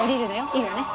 いいわね？